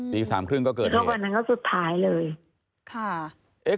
ตีสามครึ่งก็เกิดตอนนั้นก็สุดท้ายเลย